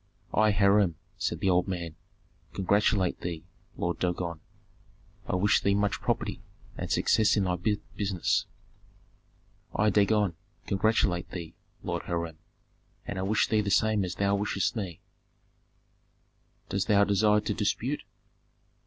"I, Hiram," said the old man, "congratulate thee, Lord Dagon. I wish thee much property, and success in thy business." "I, Dagon, congratulate thee, Lord Hiram, and I wish thee the same as thou wishest me " "Dost thou desire to dispute?"